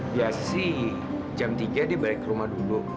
biasa sih jam tiga dia balik ke rumah dulu